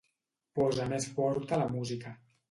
Posa més forta la música.